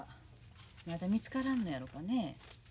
まだ見つからんのやろかね。